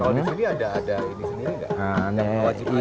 kalau di sini ada ini seni ini enggak